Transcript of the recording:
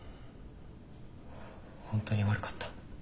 本当に悪かった。